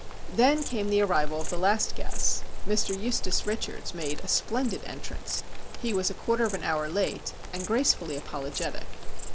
Then came the arrival of the last guest. Mr Eustace Richards made a splendid entrance; he was a quarter of an hour late and gracefully apologetic.